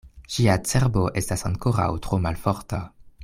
Ŝia cerbo estas ankoraŭ tro malforta.